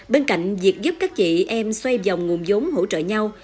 bên cạnh việc giúp các dị em xoay vòng nguồn giống hỗ trợ nhau